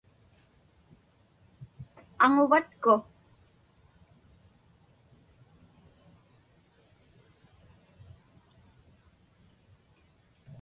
Aŋuvatku?